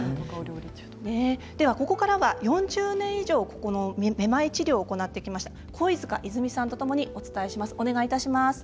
ここからは４０年めまい治療を行ってきました肥塚泉さんとともにお伝えします。